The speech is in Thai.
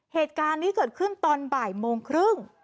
เหตุการณ์นี้เกิดขึ้นตอนบ่ายโมงครึ่ง